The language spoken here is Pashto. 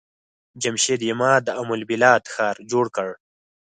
جمشيد يما د ام البلاد ښار جوړ کړ.